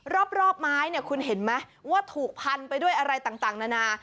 รอบไม้เนี่ยคุณเห็นไหมว่าถูกพันไปด้วยอะไรต่างนานา